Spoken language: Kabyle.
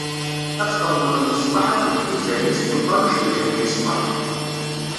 Ad txedmeḍ lmeṣbaḥ akked dduzan-is s uṭaluc n ddheb yeṣfan.